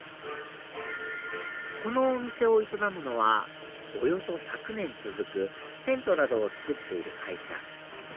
このお店を営むのはおよそ１００年続くテントなどを作っている会社